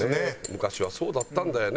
昔はそうだったんだよね。